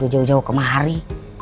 udah jauh jauh kemari